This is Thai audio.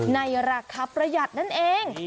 ในราคาประหยัดนั่นเอง